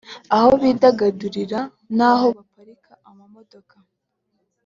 aho bidagadurira n’aho baparika amamodoka